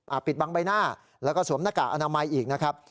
ปิดบังใบหน้าแล้วก็สวมหน้ากากอนามัยอีกนะครับ